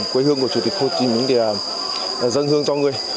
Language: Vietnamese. quế hương của chủ tịch hồ chí minh thì dâng hương cho người